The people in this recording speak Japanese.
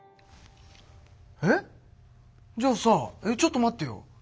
えっじゃあさちょっと待ってよ